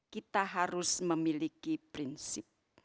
kita harus memiliki prinsip